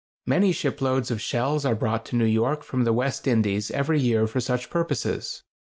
Many ship loads of shells are brought to New York from the West Indies every year for such purposes.